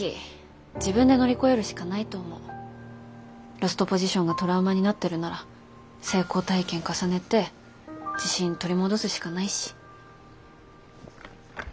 ロストポジションがトラウマになってるなら成功体験重ねて自信取り戻すしかないし。